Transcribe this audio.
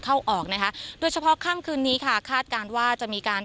เข้าออกนะคะโดยเฉพาะค่ำคืนนี้ค่ะคาดการณ์ว่าจะมีการ